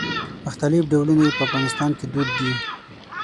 مختلف ډولونه یې په افغانستان کې دود دي.